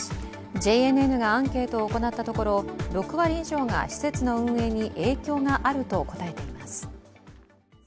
ＪＮＮがアンケートを行ったところ６割以上が施設の運営に影響があると答えています。